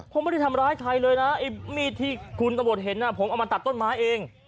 ผมไม่ได้ทำร้ายใครเลยนะไอ้มีดที่คุณตำรวจเห็นผมเอามาตัดต้นไม้เอง